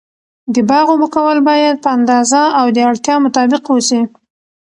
د باغ اوبه کول باید په اندازه او د اړتیا مطابق و سي.